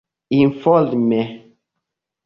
informe